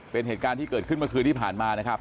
เป็นเหตุการณ์ที่เกิดขึ้นเมื่อคืนที่ผ่านมานะครับ